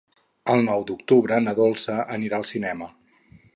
El nou d'octubre na Dolça anirà al cinema.